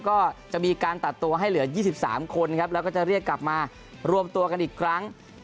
ก็จะมีการตัดตัวให้เหลือ๒๓คนครับแล้วก็จะเรียกกลับมารวมตัวกันอีกครั้ง